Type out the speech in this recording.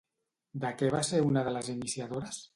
De què va ser una de les iniciadores?